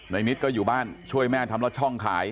นิดก็อยู่บ้านช่วยแม่ทำลอดช่องขาย